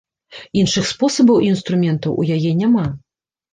Іншых спосабаў і інструментаў у яе няма.